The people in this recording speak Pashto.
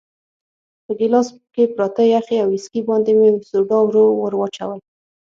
په ګیلاس کې پراته یخي او ویسکي باندې مې سوډا ورو وراچول.